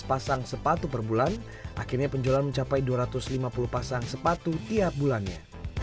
pasang sepatu per bulan akhirnya penjualan mencapai dua ratus lima puluh pasang sepatu tiap bulannya